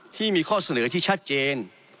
ที่มีข้อเสนอที่ชัดเจน